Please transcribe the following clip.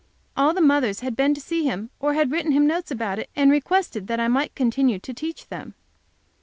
All the mothers had been to see him, or had written him notes about it, and requested that I continue to teach them.